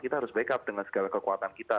kita harus backup dengan segala kekuatan kita